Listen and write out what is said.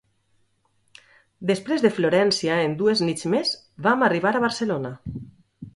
Després de Florència, en dues nits més, vam arribar a Barcelona.